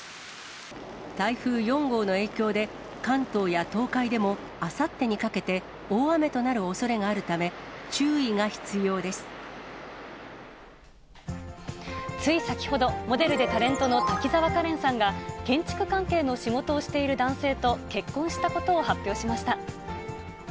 台風４号の影響で、関東や東海でもあさってにかけて大雨となるおそれがあるため、つい先ほど、モデルでタレントの滝沢カレンさんが、建築関係の仕事をしている男性と結婚したことを発表しました。